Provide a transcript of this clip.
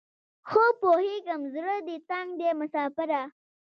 ښه پوهیږم زړه دې تنګ دی مساپره